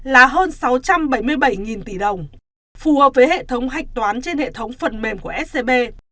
là hơn sáu trăm bảy mươi bảy tỷ đồng phù hợp với hệ thống hạch toán trên hệ thống phần mềm của scb